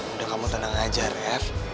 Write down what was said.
udah kamu tenang aja rf